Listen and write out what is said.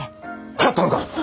払ったのか！